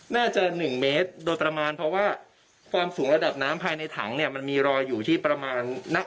น่าจะ๑เมตรโดยประมาณเพราะว่า